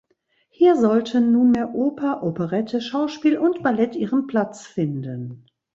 Hier sollten nunmehr Oper, Operette, Schauspiel und Ballett ihren Platz finden.